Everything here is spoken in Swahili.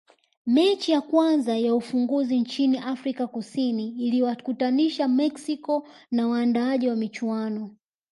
mechi ya kwanza ya ufunguzi nchini afrika kusini iliwakutanisha mexico na waandaaji wa michuano